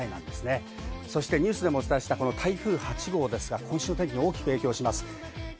ニュースでもお伝えした台風８号ですが、今週天気に大きく影響します。